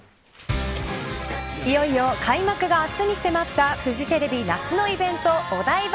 いよいよ開幕が明日に迫ったフジテレビ夏のイベントお台場